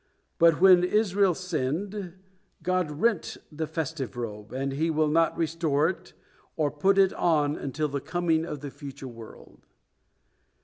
But when Israel sinned, God rent the festive robe, and He will not restore it, or put it on until the coming of the future world.